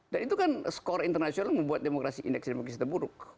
dan itu kan skor internasional yang membuat indeks demokrasi terburuk